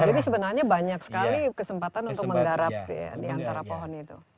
jadi sebenarnya banyak sekali kesempatan untuk menggarap di antara pohon itu